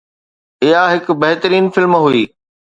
اها هڪ بهترين فلم هئي